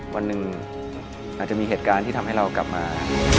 วันหนึ่งอาจจะมีเหตุการณ์ที่ทำให้เรากลับมา